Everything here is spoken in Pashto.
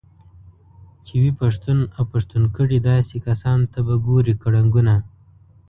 چې وي پښتون اوپښتونكړي داسې كسانوته به ګورې كړنګونه